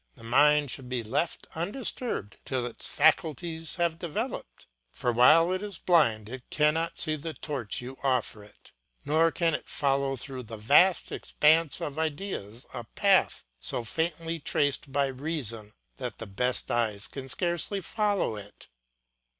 The mind should be left undisturbed till its faculties have developed; for while it is blind it cannot see the torch you offer it, nor can it follow through the vast expanse of ideas a path so faintly traced by reason that the best eyes can scarcely follow it.